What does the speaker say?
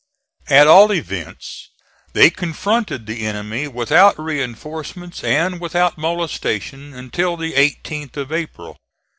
At all events they confronted the enemy without reinforcements and without molestation, until the 18th of April.